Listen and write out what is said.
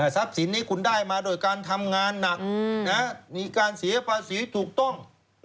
สินนี้คุณได้มาโดยการทำงานหนักมีการเสียภาษีถูกต้อง